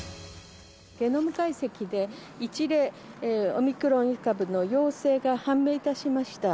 ゲノム解析で１例、オミクロン株の陽性が判明いたしました。